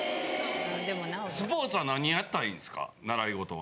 スポーツは何やったらいいんですか習い事は。